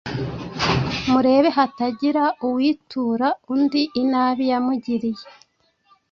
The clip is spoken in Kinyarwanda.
Murebe hatagira uwitura undi inabi yamugiriye,